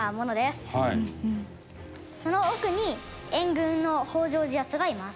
その奥に援軍の北条氏康がいます。